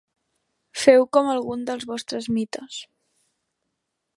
Feu com algun dels vostres mites.